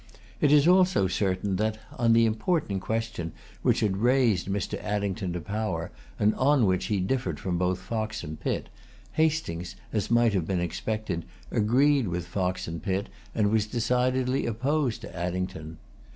It is also certain that, on the important question which had raised Mr. Addington to power, and on which he differed from both Fox and Pitt, Hastings, as might have been expected, agreed with Fox and Pitt, and was decidedly opposed to Addington.